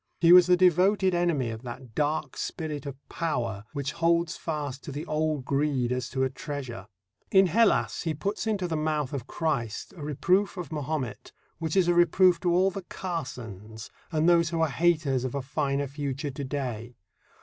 He was the devoted enemy of that dark spirit of Power which holds fast to the old greed as to a treasure. In Hellas he puts into the mouth of Christ a reproof of Mahomet which is a reproof to all the Carsons and those who are haters of a finer future to day.